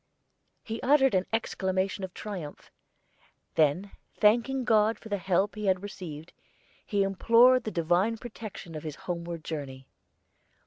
He uttered an exclamation of triumph; then, thanking God for the help he had received, he implored the Divine protection on his homeward journey.